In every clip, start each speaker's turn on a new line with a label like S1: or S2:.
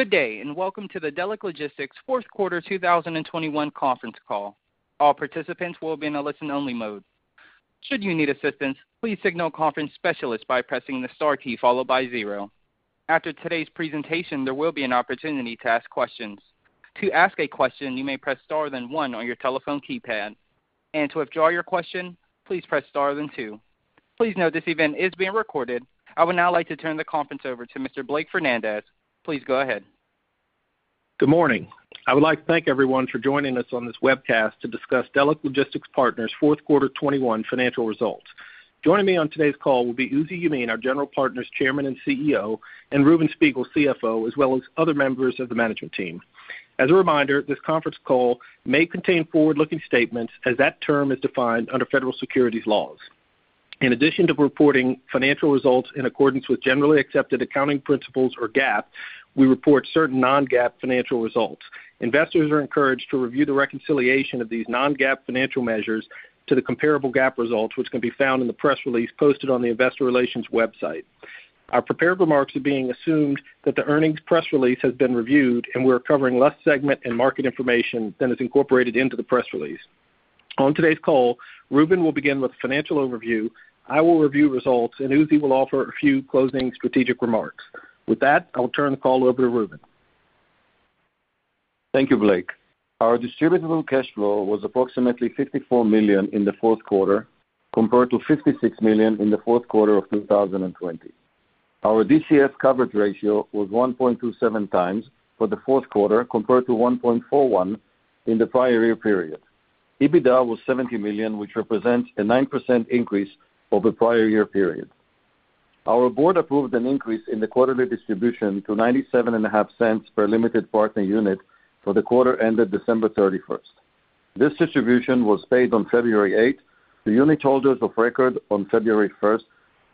S1: Good day, and welcome to the Delek Logistics Q4 2021 conference call. All participants will be in a listen-only mode. Should you need assistance, please signal conference specialist by pressing the star key followed by zero. After today's presentation, there will be an opportunity to ask questions. To ask a question, you may press star then one on your telephone keypad. To withdraw your question, please press star then two. Please note this event is being recorded. I would now like to turn the conference over to Mr. Blake Fernandez. Please go ahead.
S2: Good morning. I would like to thank everyone for joining us on this webcast to discuss Delek Logistics Partners' Q4 2021 financial results. Joining me on today's call will be Uzi Yemin, our general partner's Chairman and CEO, and Reuven Spiegel, CFO, as well as other members of the management team. As a reminder, this conference call may contain forward-looking statements as that term is defined under federal securities laws. In addition to reporting financial results in accordance with generally accepted accounting principles or GAAP, we report certain non-GAAP financial results. Investors are encouraged to review the reconciliation of these non-GAAP financial measures to the comparable GAAP results, which can be found in the press release posted on the investor relations website. Our prepared remarks assume that the earnings press release has been reviewed and we're covering less segment and market information than is incorporated into the press release. On today's call, Reuven will begin with financial overview, I will review results, and Uzi will offer a few closing strategic remarks. With that, I'll turn the call over to Reuven.
S3: Thank you, Blake. Our distributable cash flow was approximately $54 million in the Q4 compared to $56 million in the Q4 of 2020. Our DCF coverage ratio was 1.27 times for the Q4 compared to 1.41 in the prior year period. EBITDA was $70 million, which represents a 9% increase over prior year period. Our board approved an increase in the quarterly distribution to $0.975 per limited partner unit for the quarter ended December 31. This distribution was paid on February 8 to unitholders of record on February 1st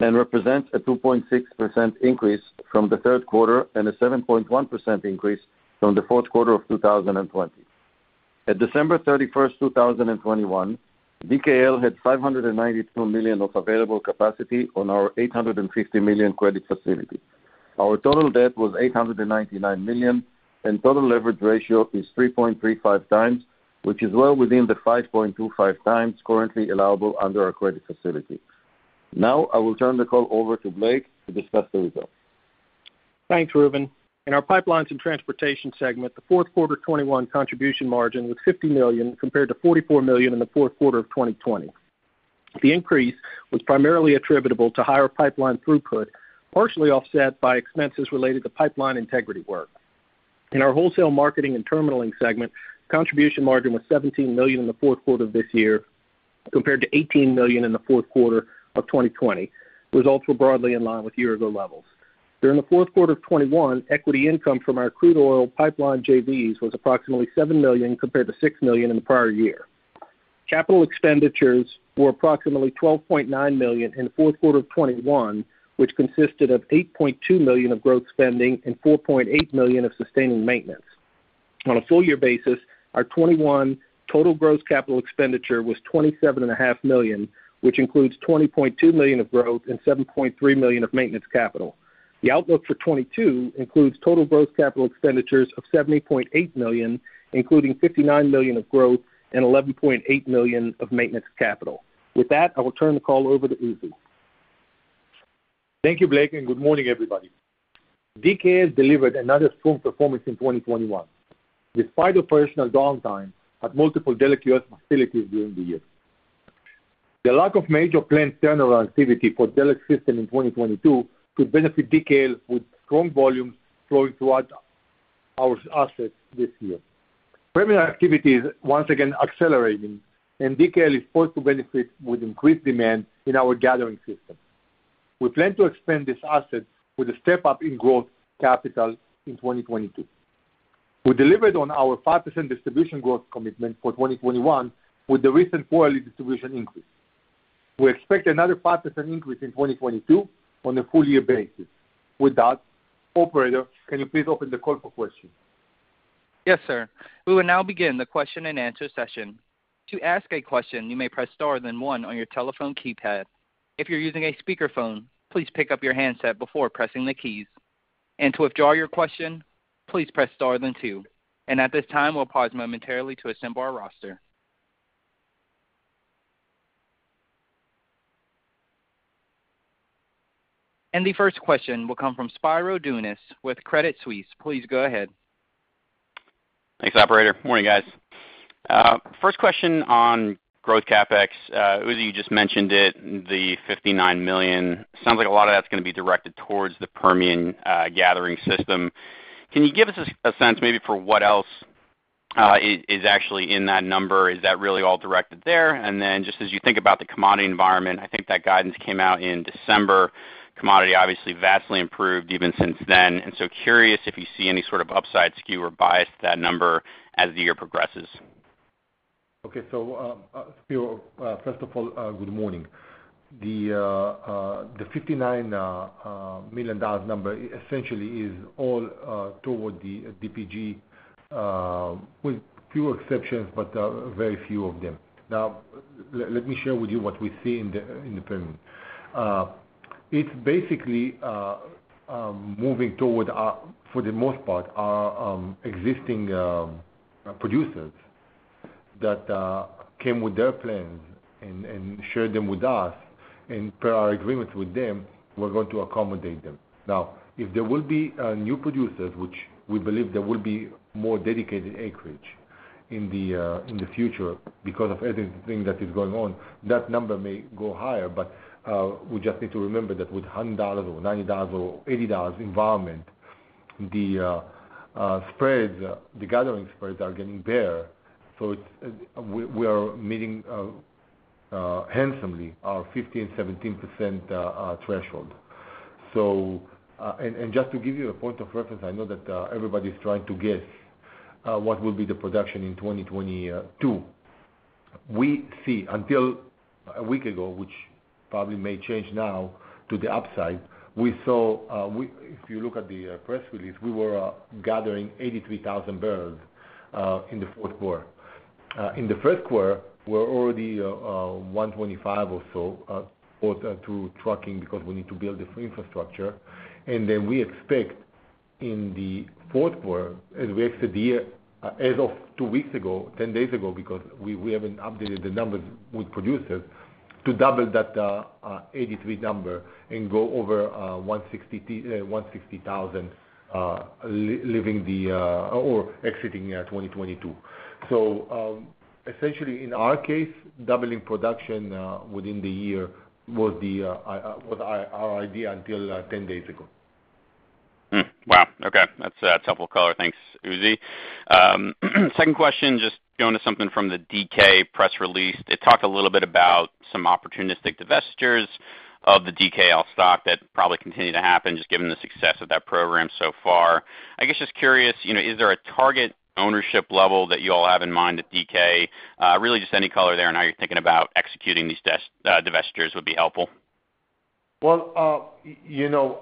S3: and represents a 2.6% increase from the Q3 and a 7.1% increase from the Q4 of 2020. At December 31st, 2021, DKL had $592 million of available capacity on our $850 million credit facility. Our total debt was $899 million, and total leverage ratio is 3.35 times, which is well within the 5.25 times currently allowable under our credit facility. Now, I will turn the call over to Blake to discuss the results.
S2: Thanks, Reuven. In our pipelines and transportation segment, the Q4 2021 contribution margin was $50 million compared to $44 million in the Q4 of 2020. The increase was primarily attributable to higher pipeline throughput, partially offset by expenses related to pipeline integrity work. In our wholesale marketing and terminalling segment, contribution margin was $17 million in the Q4 of this year compared to $18 million in the Q4 of 2020. Results were broadly in line with year-ago levels. During the Q4 of 2021, equity income from our crude oil pipeline JVs was approximately $7 million compared to $6 million in the prior year. Capital expenditures were approximately $12.9 million in the Q4 of 2021, which consisted of $8.2 million of growth spending and $4.8 million of sustaining maintenance. On a full year basis, our 2021 total gross capital expenditure was $27.5 million, which includes $20.2 million of growth and $7.3 million of maintenance capital. The outlook for 2022 includes total growth capital expenditures of $70.8 million, including $59 million of growth and $11.8 million of maintenance capital. With that, I will turn the call over to Uzi Yemin.
S4: Thank you, Blake, and good morning, everybody. DKL delivered another strong performance in 2021, despite operational downtime at multiple Delek US facilities during the year. The lack of major planned turnover activity for Delek's system in 2022 could benefit DKL with strong volumes flowing throughout our assets this year. Permian activity is once again accelerating, and DKL is poised to benefit with increased demand in our gathering system. We plan to expand this asset with a step-up in growth capital in 2022. We delivered on our 5% distribution growth commitment for 2021 with the recent quarterly distribution increase. We expect another 5% increase in 2022 on a full year basis. With that, operator, can you please open the call for questions?
S1: Yes, sir. We will now begin the question-and-answer session. To ask a question, you may press star then one on your telephone keypad. If you're using a speakerphone, please pick up your handset before pressing the keys. To withdraw your question, please press star then two. At this time, we'll pause momentarily to assemble our roster. The first question will come from Spiro Dounis with Credit Suisse. Please go ahead.
S5: Thanks, operator. Morning, guys. First question on growth CapEx. Uzi, you just mentioned it, the $59 million. Sounds like a lot of that's gonna be directed towards the Permian gathering system. Can you give us a sense maybe for what else is actually in that number? Is that really all directed there? Just as you think about the commodity environment, I think that guidance came out in December. Commodity obviously vastly improved even since then. Curious if you see any sort of upside skew or bias to that number as the year progresses.
S4: Okay. Spiro, first of all, good morning. The $59 million number essentially is all toward the DPG, with few exceptions but very few of them. Now, let me share with you what we see in the Permian. It's basically moving toward, for the most part, existing producers that came with their plans and shared them with us, and per our agreements with them, we're going to accommodate them. Now, if there will be new producers, which we believe there will be more dedicated acreage in the future because of everything that is going on, that number may go higher. We just need to remember that with $100 or $90 or $80 environment, the spread, the gathering spreads are getting better. We are meeting handsomely our 15%, 17% threshold. Just to give you a point of reference, I know that everybody's trying to guess what will be the production in 2022. We see until a week ago, which probably may change now to the upside. If you look at the press release, we were gathering 83,000 barrels in the Q4. In the Q1, we're already 125 or so catering to trucking because we need to build the fleet infrastructure. We expect in the Q4 as we exit the year, as of two weeks ago, 10 days ago, because we haven't updated the numbers with producers to double that 83 number and go over 160,000 exiting 2022. Essentially, in our case, doubling production within the year was our idea until 10 days ago.
S5: That's helpful color. Thanks, Uzi. Second question, just going to something from the DK press release. It talked a little bit about some opportunistic divestitures of the DKL stock. That probably continued to happen just given the success of that program so far. I guess, just curious, you know, is there a target ownership level that you all have in mind at DK? Really just any color there on how you're thinking about executing these divestitures would be helpful.
S4: Well, you know,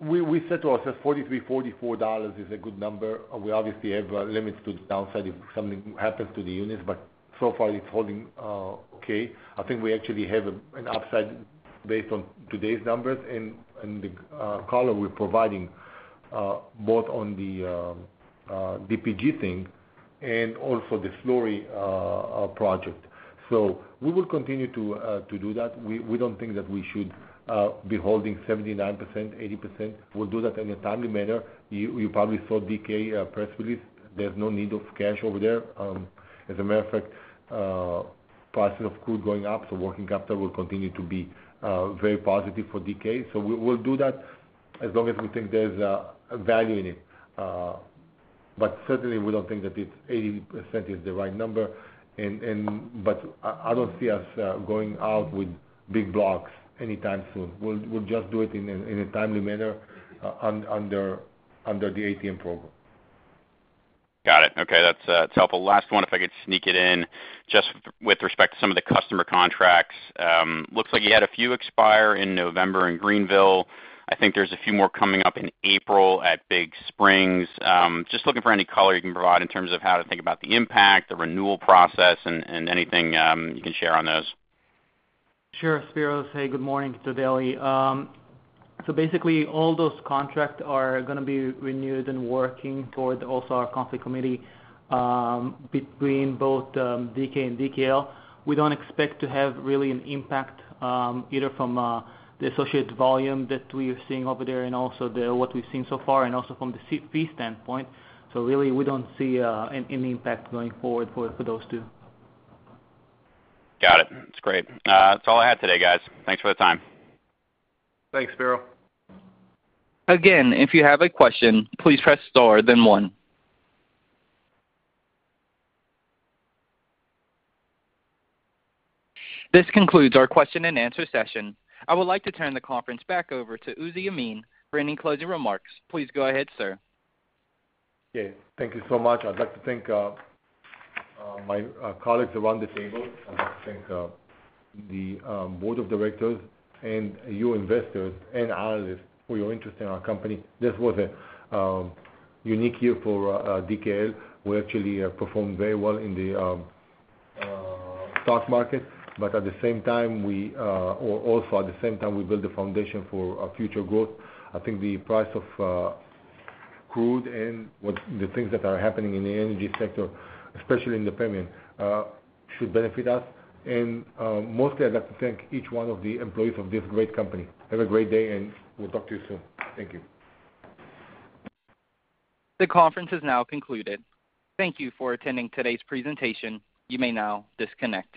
S4: we said to ourselves $43, $44 is a good number. We obviously have limits to the downside if something happens to the units, but so far it's holding, okay. I think we actually have an upside based on today's numbers and the color we're providing both on the DPG thing and also the Slurry project. We will continue to do that. We don't think that we should be holding 79%, 80%. We'll do that in a timely manner. You probably saw DK press release. There's no need of cash over there. As a matter of fact, prices of crude going up, so working capital will continue to be very positive for DK. We, we'll do that as long as we think there's value in it. Certainly we don't think that it's 80% is the right number. I don't see us going out with big blocks anytime soon. We'll just do it in a timely manner under the ATM program.
S5: Got it. Okay. That's helpful. Last one, if I could sneak it in. Just with respect to some of the customer contracts, looks like you had a few expire in November in Greenville. I think there's a few more coming up in April at Big Spring. Just looking for any color you can provide in terms of how to think about the impact, the renewal process, and anything you can share on those.
S6: Sure, Spiro. Hey, good morning. It's Odely. Basically, all those contracts are gonna be renewed and working toward also our Conflicts Committee between both DK and DKL. We don't expect to have really an impact either from the associated volume that we are seeing over there and also what we've seen so far and also from the fee standpoint. Really, we don't see any impact going forward for those two.
S5: Got it. That's great. That's all I had today, guys. Thanks for the time.
S4: Thanks, Spiro.
S1: Again, if you have a question, please press star then one. This concludes our question and answer session. I would like to turn the conference back over to Uzi Yemin for any closing remarks. Please go ahead, sir.
S4: Okay. Thank you so much. I'd like to thank my colleagues around the table. I'd like to thank the board of directors and you investors and analysts for your interest in our company. This was a unique year for DKL. We actually performed very well in the stock market, but at the same time, we or also at the same time, we built the foundation for future growth. I think the price of crude and the things that are happening in the energy sector, especially in the Permian, should benefit us. Mostly, I'd like to thank each one of the employees of this great company. Have a great day, and we'll talk to you soon. Thank you.
S1: The conference is now concluded. Thank you for attending today's presentation. You may now disconnect.